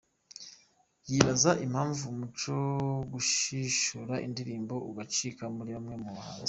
yibaza ‘impamvu umuco wo gushishura indirimbo udacika muri bamwe mu bahanzi